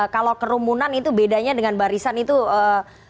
kalau kerumunan itu bedanya dengan barisan itu ee